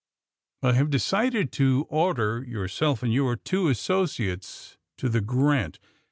I have decided to order yourself and your two associates to the * Grant.